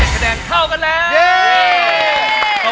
กรุงเทพหมดเลยครับ